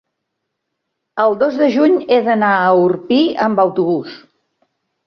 el dos de juny he d'anar a Orpí amb autobús.